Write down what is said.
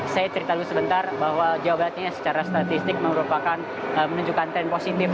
saya cerita dulu sebentar bahwa jawa barat ini secara statistik merupakan menunjukkan tren positif